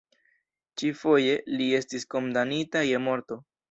Ĉi-foje, li estis kondamnita je morto.